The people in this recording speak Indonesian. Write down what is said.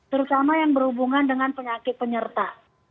terutama yang berhubungan dengan penyakit penyerta